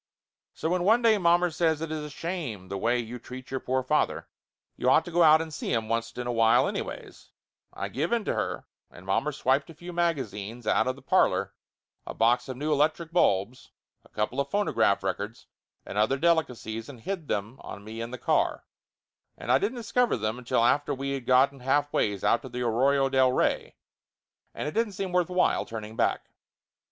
So when one day mommer says it is a shame the way you treat your poor father you had ought to go out and see him oncet in a while anyways, I give in to her, and mommer swiped a few magazines out of the parlor, a box of new electric bulbs, a coupla phonograph Laughter Limited 283 records and other delicacies, and hid them on me in the car, and I didn't discover them until after we had got half ways out to the Arroyo del Rey, and it didn't seem worth while turning back.